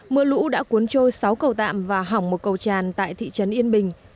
mưa lũ đã cuốn trôi sáu cầu tạm và hỏng một cầu tràn tại thị trấn yên bình